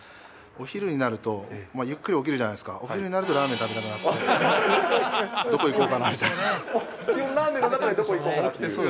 お昼になると、ゆっくり起きるじゃないですか、お昼になるとラーメン食べたくなって。